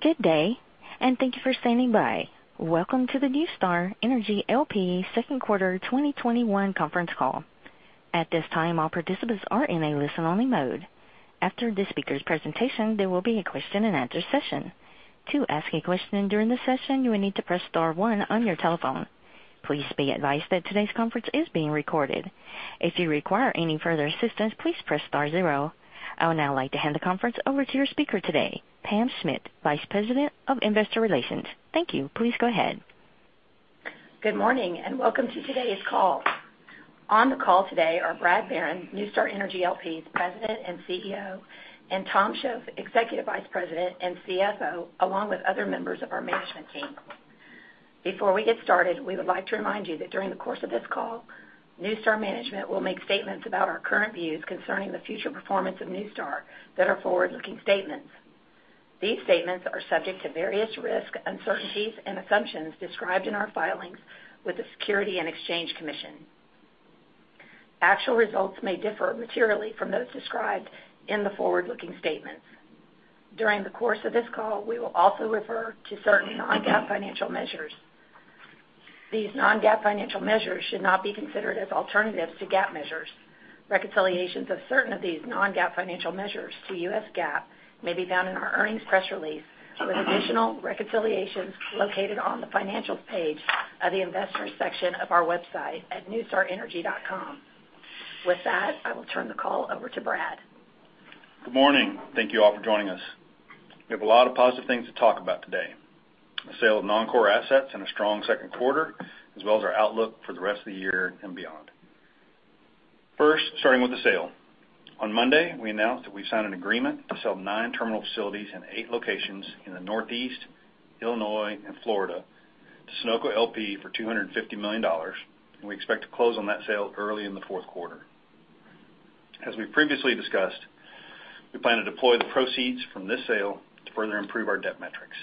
Good day, and thank you for standing by. Welcome to the NuStar Energy L.P. second quarter 2021 conference call. I would now like to hand the conference over to your speaker today, Pam Schmidt, Vice President of Investor Relations. Thank you. Please go ahead. Good morning, and welcome to today's call. On the call today are Brad Barron, NuStar Energy LP's President and CEO, and Tom Shoaf, Executive Vice President and CFO, along with other members of our management team. Before we get started, we would like to remind you that during the course of this call, NuStar management will make statements about our current views concerning the future performance of NuStar that are forward-looking statements. These statements are subject to various risks, uncertainties, and assumptions described in our filings with the Securities and Exchange Commission. Actual results may differ materially from those described in the forward-looking statements. During the course of this call, we will also refer to certain non-GAAP financial measures. These non-GAAP financial measures should not be considered as alternatives to GAAP measures. Reconciliations of certain of these non-GAAP financial measures to U.S. GAAP may be found in our earnings press release, with additional reconciliations located on the Financial page of the Investors section of our website at nustarenergy.com. With that, I will turn the call over to Brad. Good morning. Thank you all for joining us. We have a lot of positive things to talk about today, the sale of non-core assets and a strong second quarter, as well as our outlook for the rest of the year and beyond. First, starting with the sale. On Monday, we announced that we've signed an agreement to sell nine terminal facilities in eight locations in the Northeast, Illinois, and Florida to Sunoco LP for $250 million, and we expect to close on that sale early in the fourth quarter. As we previously discussed, we plan to deploy the proceeds from this sale to further improve our debt metrics.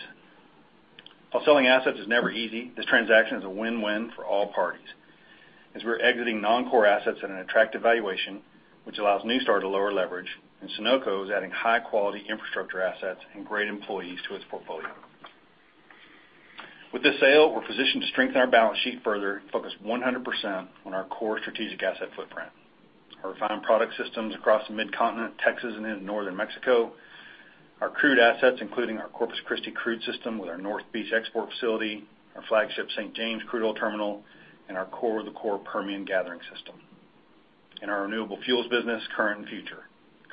While selling assets is never easy, this transaction is a win-win for all parties, as we're exiting non-core assets at an attractive valuation, which allows NuStar to lower leverage, and Sunoco is adding high-quality infrastructure assets and great employees to its portfolio. With this sale, we're positioned to strengthen our balance sheet further, focus 100% on our core strategic asset footprint. Our refined product systems across the mid-continent, Texas, and into northern Mexico, our crude assets, including our Corpus Christi crude system with our North Beach export facility, our flagship St. James crude oil terminal, and our core-of-the-core Permian gathering system. Our renewable fuels business, current and future.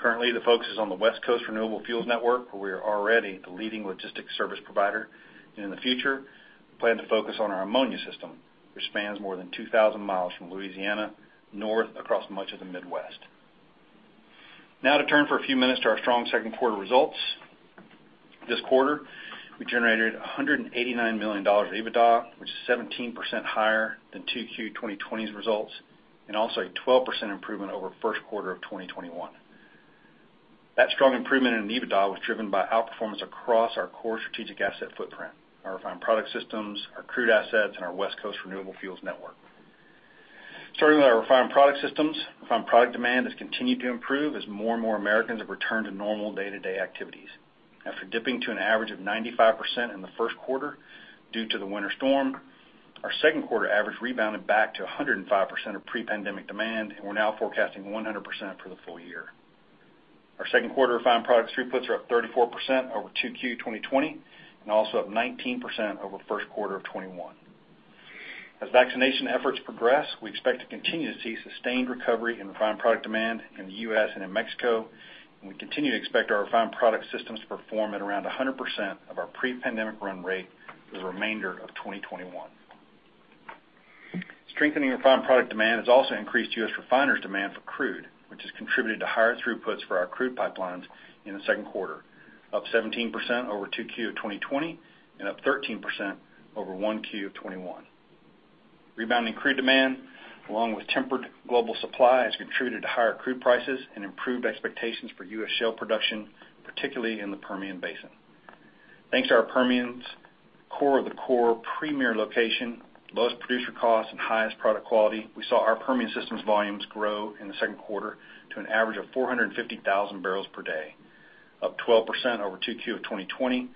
Currently, the focus is on the West Coast renewable fuels network, where we are already the leading logistics service provider. In the future, we plan to focus on our ammonia system, which spans more than 2,000 miles from Louisiana north across much of the Midwest. Now to turn for a few minutes to our strong second quarter results. This quarter, we generated $189 million of EBITDA, which is 17% higher than 2Q 2020's results, and also a 12% improvement over the first quarter of 2021. That strong improvement in EBITDA was driven by outperformance across our core strategic asset footprint, our refined product systems, our crude assets, and our West Coast renewable fuels network. Starting with our refined product systems, refined product demand has continued to improve as more and more Americans have returned to normal day-to-day activities. After dipping to an average of 95% in the first quarter due to the winter storm, our second quarter average rebounded back to 105% of pre-pandemic demand, and we're now forecasting 100% for the full year. Our second quarter refined products throughputs are up 34% over 2Q 2020 and also up 19% over the first quarter of 2021. As vaccination efforts progress, we expect to continue to see sustained recovery in refined product demand in the U.S. and in Mexico, and we continue to expect our refined product systems to perform at around 100% of our pre-pandemic run rate for the remainder of 2021. Strengthening refined product demand has also increased U.S. refiners' demand for crude, which has contributed to higher throughputs for our crude pipelines in the second quarter, up 17% over 2Q of 2020 and up 13% over 1Q of 2021. Rebounding crude demand, along with tempered global supply, has contributed to higher crude prices and improved expectations for U.S. shale production, particularly in the Permian Basin. Thanks to our Permian's core-of-the-core premier location, lowest producer costs, and highest product quality, we saw our Permian systems volumes grow in the second quarter to an average of 450,000 barrels per day, up 12% over 2Q of 2020,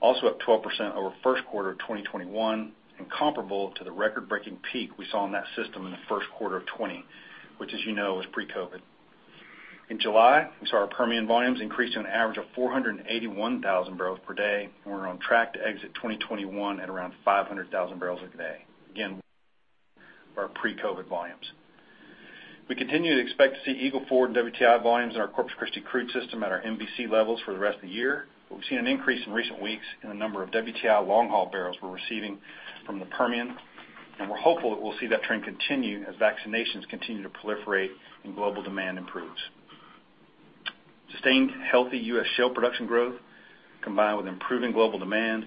also up 12% over the first quarter of 2021, and comparable to the record-breaking peak we saw in that system in the first quarter of 2020, which, as you know, was pre-COVID. In July, we saw our Permian volumes increase to an average of 481,000 barrels per day, and we're on track to exit 2021 at around 500,000 barrels a day. Again, our pre-COVID volumes. We continue to expect to see Eagle Ford and WTI volumes in our Corpus Christi crude system at our MVC levels for the rest of the year. We've seen an increase in recent weeks in the number of WTI long-haul barrels we're receiving from the Permian, and we're hopeful that we'll see that trend continue as vaccinations continue to proliferate and global demand improves. Sustained healthy U.S. shale production growth, combined with improving global demand,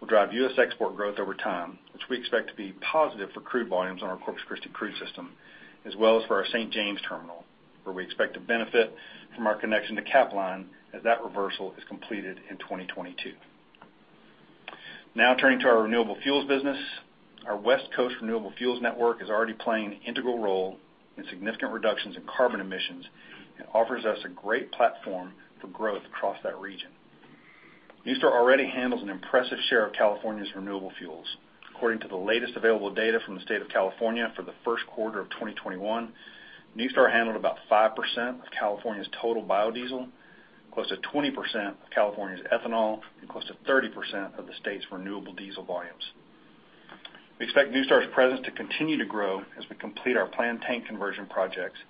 will drive U.S. export growth over time, which we expect to be positive for crude volumes on our Corpus Christi crude system, as well as for our St. James terminal, where we expect to benefit from our connection to Capline as that reversal is completed in 2022. Turning to our renewable fuels business. Our West Coast renewable fuels network is already playing an integral role in significant reductions in carbon emissions and offers us a great platform for growth across that region. NuStar already handles an impressive share of California's renewable fuels. According to the latest available data from the State of California for the first quarter of 2021, NuStar handled about 5% of California's total biodiesel, close to 20% of California's ethanol, and close to 30% of the state's renewable diesel volumes. We expect NuStar's presence to continue to grow as we complete our planned tank conversion projects,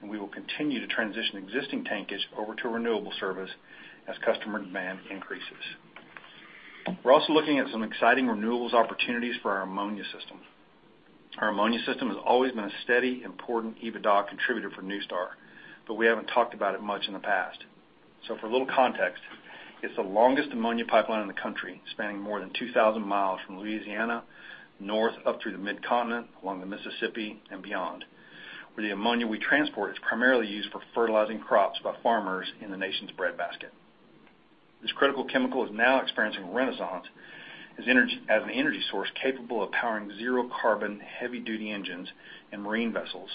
and we will continue to transition existing tankage over to renewable service as customer demand increases. We're also looking at some exciting renewables opportunities for our ammonia system. Our ammonia system has always been a steady, important EBITDA contributor for NuStar, but we haven't talked about it much in the past. For a little context, it's the longest ammonia pipeline in the country, spanning more than 2,000 miles from Louisiana, north up through the mid-continent, along the Mississippi and beyond. Where the ammonia we transport is primarily used for fertilizing crops by farmers in the nation's breadbasket. This critical chemical is now experiencing a renaissance as an energy source capable of powering zero-carbon heavy-duty engines and marine vessels,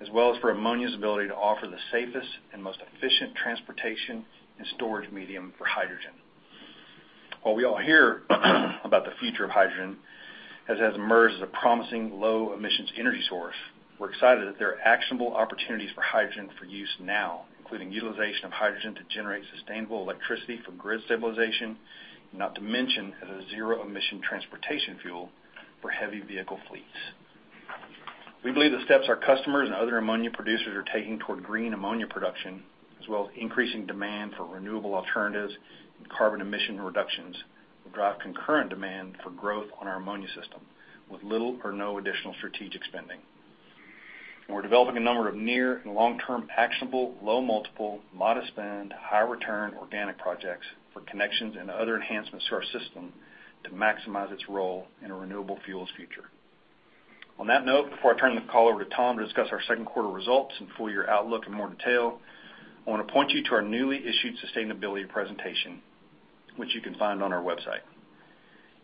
as well as for ammonia's ability to offer the safest and most efficient transportation and storage medium for hydrogen. While we all hear about the future of hydrogen, as it has emerged as a promising low-emissions energy source, we're excited that there are actionable opportunities for hydrogen for use now, including utilization of hydrogen to generate sustainable electricity for grid stabilization, and not to mention as a zero-emission transportation fuel for heavy vehicle fleets. We believe the steps our customers and other ammonia producers are taking toward green ammonia production, as well as increasing demand for renewable alternatives and carbon emission reductions, will drive concurrent demand for growth on our ammonia system with little or no additional strategic spending. We're developing a number of near and long-term actionable, low multiple, modest spend, high return organic projects for connections and other enhancements to our system to maximize its role in a renewable fuels future. On that note, before I turn the call over to Tom to discuss our second quarter results and full-year outlook in more detail, I want to point you to our newly issued sustainability presentation, which you can find on our website.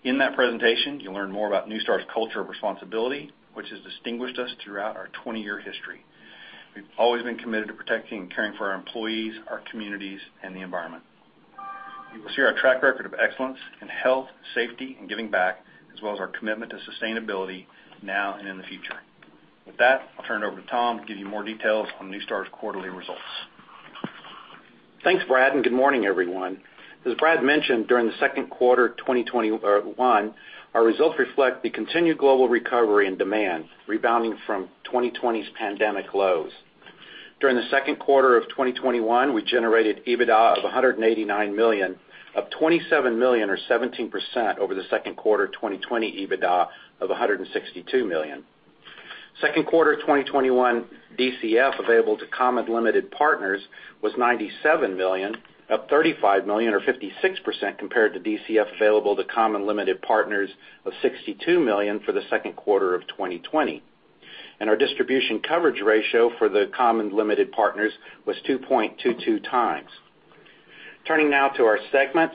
In that presentation, you'll learn more about NuStar's culture of responsibility, which has distinguished us throughout our 20-year history. We've always been committed to protecting and caring for our employees, our communities, and the environment. You will see our track record of excellence in health, safety, and giving back, as well as our commitment to sustainability now and in the future. With that, I'll turn it over to Tom to give you more details on NuStar's quarterly results. Thanks, Brad. Good morning, everyone. As Brad mentioned, during the second quarter 2021, our results reflect the continued global recovery and demand rebounding from 2020's pandemic lows. During the second quarter of 2021, we generated EBITDA of $189 million, up $27 million or 17% over the second quarter 2020 EBITDA of $162 million. Second quarter 2021 DCF available to common limited partners was $97 million, up $35 million or 56% compared to DCF available to common limited partners of $62 million for the second quarter of 2020. Our distribution coverage ratio for the common limited partners was 2.22x. Turning now to our segments.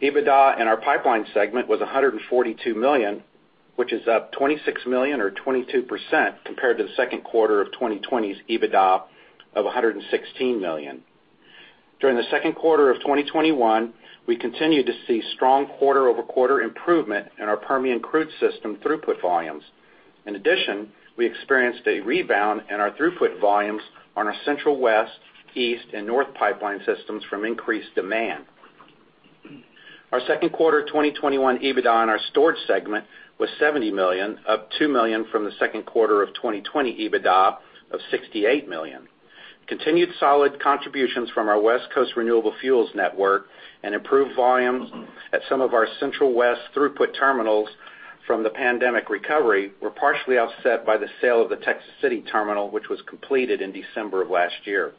EBITDA in our pipeline segment was $142 million, which is up $26 million or 22% compared to the second quarter of 2020's EBITDA of $116 million. During the second quarter of 2021, we continued to see strong quarter-over-quarter improvement in our Permian Crude System throughput volumes. In addition, we experienced a rebound in our throughput volumes on our Central West, East, and North pipeline systems from increased demand. Our second quarter 2021 EBITDA in our storage segment was $70 million, up $2 million from the second quarter of 2020 EBITDA of $68 million. Continued solid contributions from our West Coast renewable fuels network and improved volumes at some of our Central West throughput terminals from the pandemic recovery were partially offset by the sale of the Texas City terminal, which was completed in December of last year.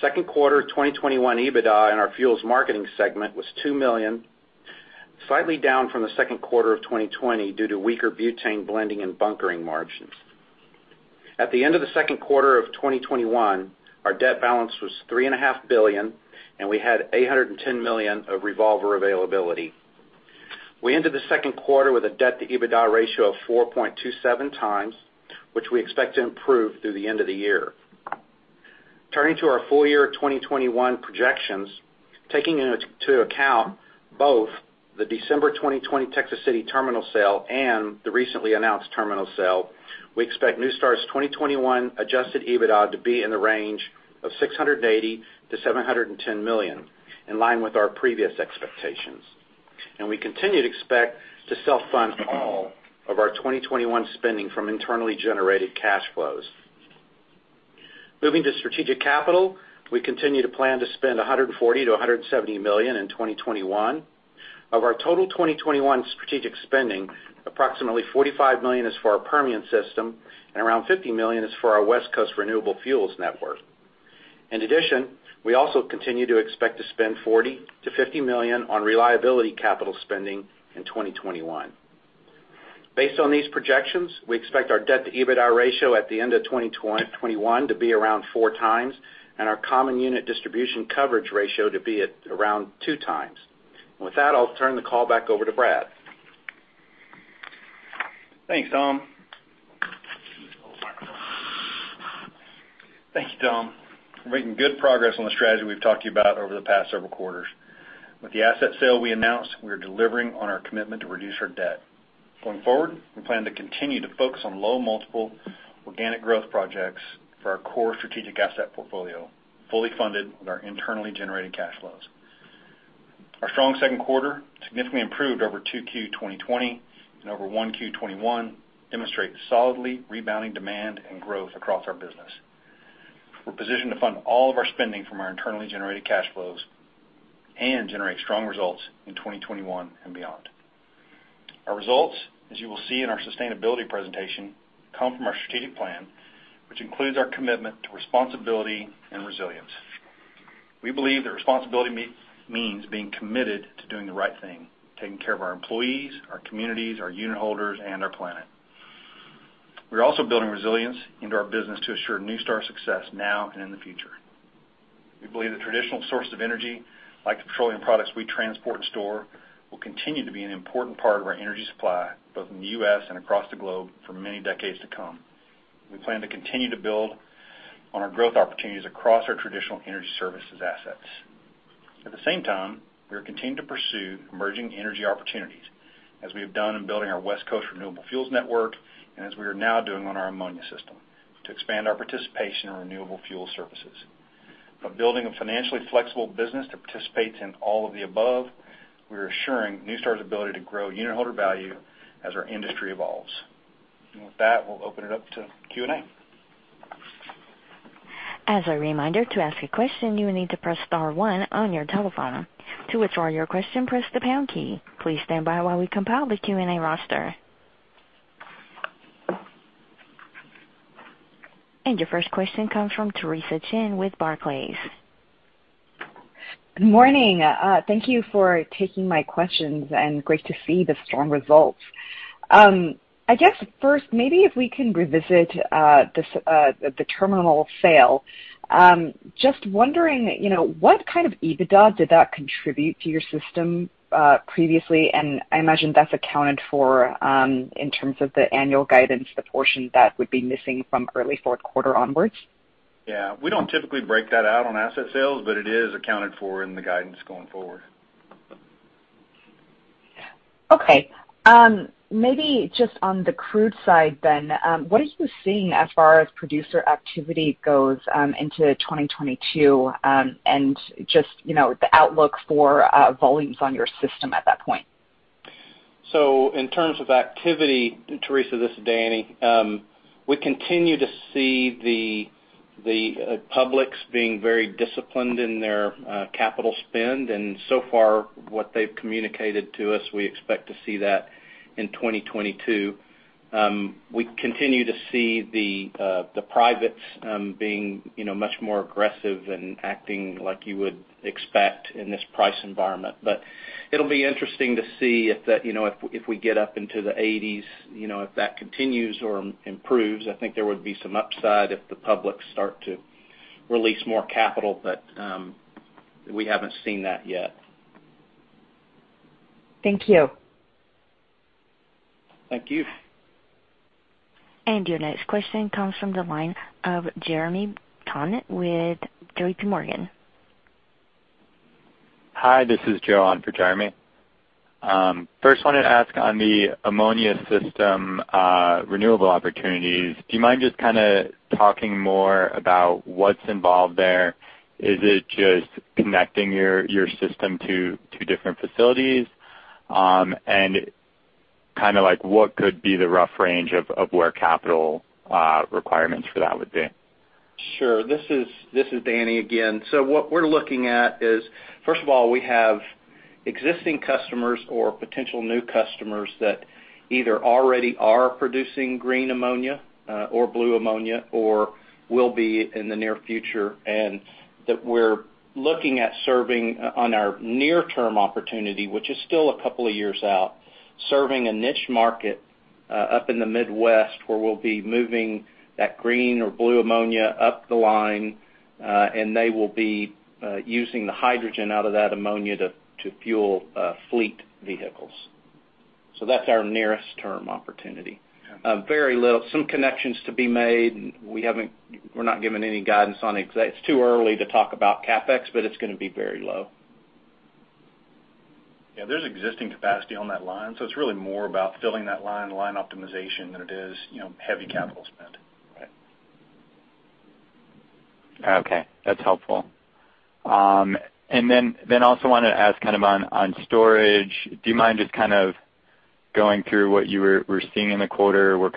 Second quarter 2021 EBITDA in our fuels marketing segment was $2 million, slightly down from the second quarter of 2020 due to weaker butane blending and bunkering margins. At the end of the second quarter of 2021, our debt balance was $3.5 billion, and we had $810 million of revolver availability. We ended the second quarter with a debt-to-EBITDA ratio of 4.27x, which we expect to improve through the end of the year. Turning to our full-year 2021 projections, taking into account both the December 2020 Texas City terminal sale and the recently announced terminal sale, we expect NuStar's 2021 adjusted EBITDA to be in the range of $680 million-$710 million, in line with our previous expectations. We continue to expect to self-fund all of our 2021 spending from internally generated cash flows. Moving to strategic capital, we continue to plan to spend $140 million-$170 million in 2021. Of our total 2021 strategic spending, approximately $45 million is for our Permian system and around $50 million is for our West Coast renewable fuels network. We also continue to expect to spend $40 million-$50 million on reliability capital spending in 2021. Based on these projections, we expect our debt-to-EBITDA ratio at the end of 2021 to be around four times, and our common unit distribution coverage ratio to be at around two times. With that, I'll turn the call back over to Brad. Thanks, Tom. Thank you, Tom. We're making good progress on the strategy we've talked to you about over the past several quarters. With the asset sale we announced, we are delivering on our commitment to reduce our debt. Going forward, we plan to continue to focus on low multiple organic growth projects for our core strategic asset portfolio, fully funded with our internally generated cash flows. Our strong second quarter, significantly improved over 2Q 2020 and over 1Q '21, demonstrate solidly rebounding demand and growth across our business. We're positioned to fund all of our spending from our internally generated cash flows and generate strong results in 2021 and beyond. Our results, as you will see in our sustainability presentation, come from our strategic plan, which includes our commitment to responsibility and resilience. We believe that responsibility means being committed to doing the right thing, taking care of our employees, our communities, our unitholders, and our planet. We're also building resilience into our business to assure NuStar's success now and in the future. We believe the traditional source of energy, like the petroleum products we transport and store, will continue to be an important part of our energy supply, both in the U.S. and across the globe for many decades to come. We plan to continue to build on our growth opportunities across our traditional energy services assets. At the same time, we are continuing to pursue emerging energy opportunities, as we have done in building our West Coast renewable fuels network, and as we are now doing on our ammonia system, to expand our participation in renewable fuel services. By building a financially flexible business to participate in all of the above, we're assuring NuStar's ability to grow unitholder value as our industry evolves. With that, we'll open it up to Q&A. Your first question comes from Theresa Chen with Barclays. Good morning. Thank you for taking my questions, and great to see the strong results. I guess, first, maybe if we can revisit the terminal sale. Just wondering, what kind of EBITDA did that contribute to your system previously? I imagine that's accounted for in terms of the annual guidance, the portion that would be missing from early fourth quarter onwards. Yeah. We don't typically break that out on asset sales, but it is accounted for in the guidance going forward. Okay. Maybe just on the crude side, then. What are you seeing as far as producer activity goes into 2022, and just the outlook for volumes on your system at that point? In terms of activity, Theresa, this is Danny. We continue to see the publics being very disciplined in their capital spend, and so far, what they've communicated to us, we expect to see that in 2022. We continue to see the privates being much more aggressive and acting like you would expect in this price environment. It'll be interesting to see if we get up into the $80s, if that continues or improves. I think there would be some upside if the publics start to release more capital, but we haven't seen that yet. Thank you. Thank you. Your next question comes from the line of Jeremy Tonet with JPMorgan. Hi, this is Joe on for Jeremy. First wanted to ask on the ammonia system renewable opportunities, do you mind just kind of talking more about what's involved there? Is it just connecting your system to different facilities? What could be the rough range of where capital requirements for that would be? Sure. This is Danny again. What we're looking at is, first of all, we have existing customers or potential new customers that either already are producing green ammonia or blue ammonia, or will be in the near future. That we're looking at serving on our near-term opportunity, which is still a couple of years out, serving a niche market up in the Midwest, where we'll be moving that green or blue ammonia up the line, and they will be using the hydrogen out of that ammonia to fuel fleet vehicles. That's our nearest term opportunity. Some connections to be made, and we're not giving any guidance on it because it's too early to talk about CapEx, but it's going to be very low. Yeah, there's existing capacity on that line, so it's really more about filling that line optimization, than it is heavy capital spend. Right. Okay, that's helpful. Also wanted to ask on storage, do you mind just kind of going through what you were seeing in the quarter, where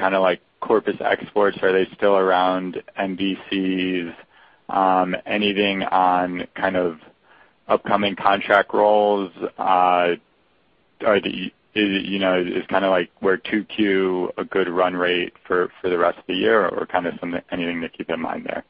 Corpus exports, are they still around MVCs? Anything on upcoming contract rolls? Is kind of like, where Q2 a good run rate for the rest of the year or anything to keep in mind there?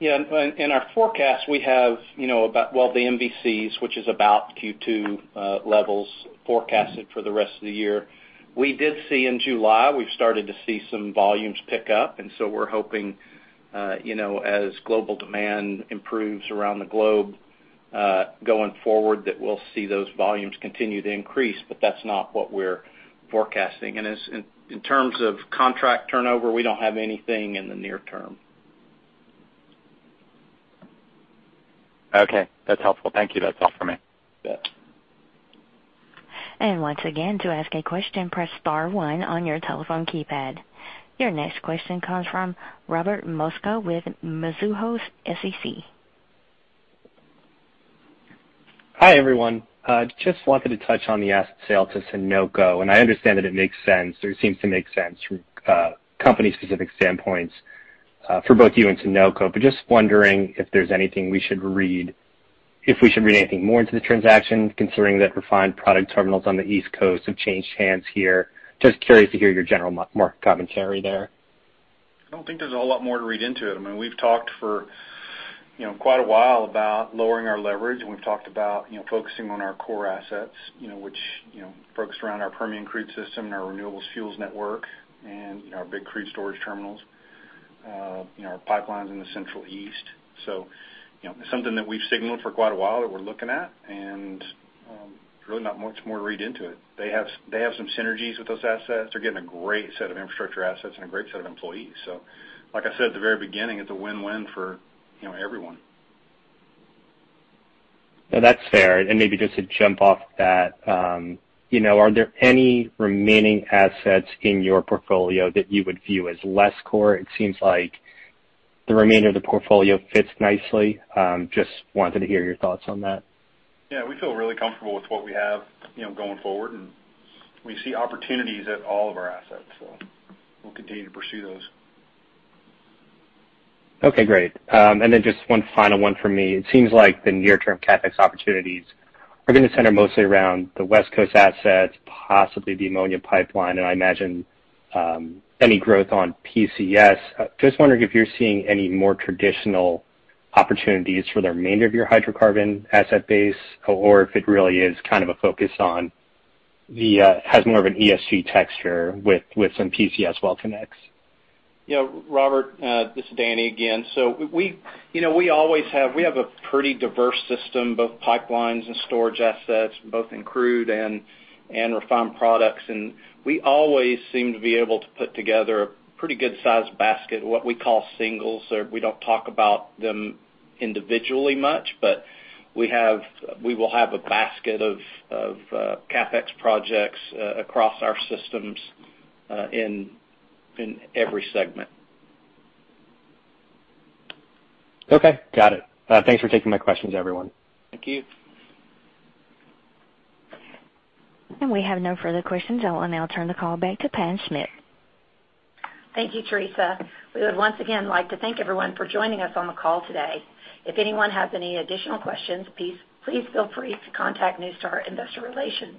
In our forecast, we have about, well, the MVCs, which is about Q2 levels forecasted for the rest of the year. We did see in July, we've started to see some volumes pick up, we're hoping as global demand improves around the globe going forward, that we'll see those volumes continue to increase, but that's not what we're forecasting. In terms of contract turnover, we don't have anything in the near term. Okay. That's helpful. Thank you. That's all for me. Once again, to ask a question, press star one on your telephone keypad. Your next question comes from Robert Mosca with Mizuho Securities. Hi, everyone. Just wanted to touch on the asset sale to Sunoco. I understand that it makes sense or seems to make sense from company specific standpoints for both you and Sunoco. Just wondering if we should read anything more into the transaction, considering that refined product terminals on the East Coast have changed hands here. Just curious to hear your general commentary there. I don't think there's a whole lot more to read into it. I mean, we've talked for quite a while about lowering our leverage. We've talked about focusing on our core assets, which focused around our Permian crude system and our renewable fuels network and our big crude storage terminals, our pipelines in the central east. Something that we've signaled for quite a while that we're looking at. There's really not much more to read into it. They have some synergies with those assets. They're getting a great set of infrastructure assets and a great set of employees. Like I said at the very beginning, it's a win-win for everyone. No, that's fair. Maybe just to jump off that, are there any remaining assets in your portfolio that you would view as less core? It seems like the remainder of the portfolio fits nicely. Just wanted to hear your thoughts on that. Yeah, we feel really comfortable with what we have going forward. We see opportunities at all of our assets. We'll continue to pursue those. Okay, great. Just one final one for me. It seems like the near-term CapEx opportunities are going to center mostly around the West Coast assets, possibly the ammonia pipeline, and I imagine any growth on PCS. Just wondering if you're seeing any more traditional opportunities for the remainder of your hydrocarbon asset base or if it really is kind of a focus has more of an ESG texture with some PCS well connects. Yeah, Robert, this is Danny again. We have a pretty diverse system, both pipelines and storage assets, both in crude and refined products, and we always seem to be able to put together a pretty good size basket of what we call singles. We don't talk about them individually much, but we will have a basket of CapEx projects across our systems in every segment. Okay, got it. Thanks for taking my questions, everyone. Thank you. We have no further questions. I will now turn the call back to Pam Schmidt. Thank you, Theresa. We would once again like to thank everyone for joining us on the call today. If anyone has any additional questions, please feel free to contact NuStar Investor Relations.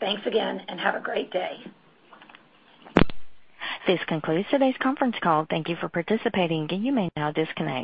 Thanks again, and have a great day. This concludes today's conference call. Thank you for participating. You may now disconnect.